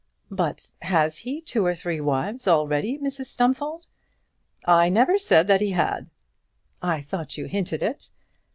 "But has he two or three wives already, Mrs Stumfold?" "I never said that he had." "I thought you hinted it."